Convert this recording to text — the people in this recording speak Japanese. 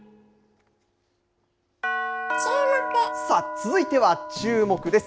続いてはチューモク！です。